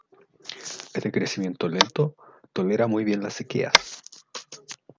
Es de crecimiento lento, tolera muy bien las sequías.